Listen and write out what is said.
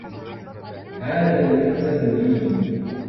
هذا المكتب لي.